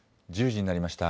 １０時になりました。